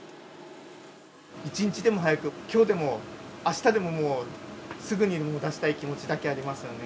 一日でも早く、きょうでも、あしたにでも、すぐに出したい気持ちだけありますよね。